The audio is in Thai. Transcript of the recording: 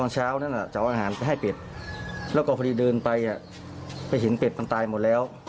จะได้ให้เพื่อนดูว่าเออเป็ดมันตายแล้ว